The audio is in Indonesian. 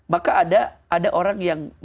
maka ada orang yang